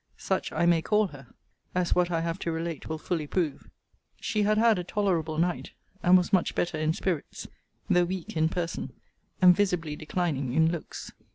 Such I may call her; as what I have to relate will fully prove. She had had a tolerable night, and was much better in spirits; though weak in person; and visibly declining in looks.